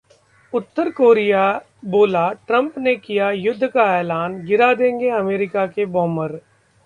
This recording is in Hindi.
उत्तर कोरिया बोला- ट्रंप ने किया युद्ध का ऐलान, गिरा देंगे अमेरिका के बॉम्बर